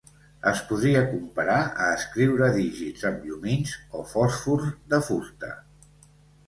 Es podria comparar a escriure dígits amb llumins o fòsfors de fusta.